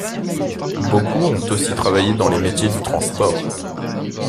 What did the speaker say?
Beaucoup ont aussi travaillé dans les métiers du transport.